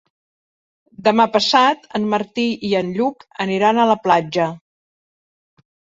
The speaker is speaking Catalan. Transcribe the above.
Demà passat en Martí i en Lluc aniran a la platja.